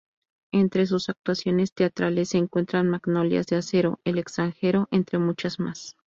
Entre sus actuaciones teatrales se encuentran "Magnolias de acero", "El extranjero", entre muchas más.